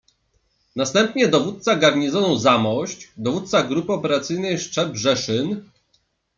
Następnie dowódca garnizonu Zamość, dowódca Grupy Operacyjnej Szczebrzeszyn.